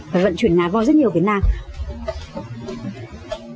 và vận chuyển ngà voi đến rất nhiều việt nam